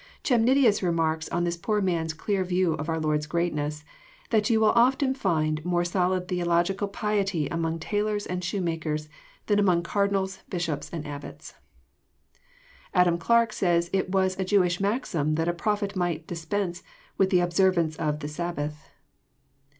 Chemnltlus remarks on this poor man's clear view of our Lord*8 greatness, that you " will often find more solid theological piety among tailors and shoemakers than among cardinals, bishops, and abbots. Adam Clarke says it was " a Jewish maxim that a prophet might dispense with the observance of the Sabbath."